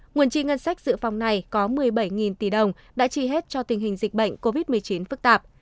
nguồn chi ngân sách dự phòng này có một mươi bảy tỷ đồng đã chi hết cho tình hình dịch bệnh covid một mươi chín phức tạp